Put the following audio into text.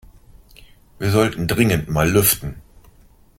Wir sollten dringend mal lüften.